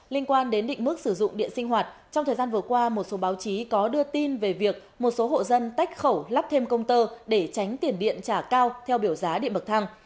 liên quan đến định mức sử dụng điện sinh hoạt trong thời gian vừa qua một số báo chí có đưa tin về việc một số hộ dân tách khẩu lắp thêm công tơ để tránh tiền điện trả cao theo biểu giá điện bậc thang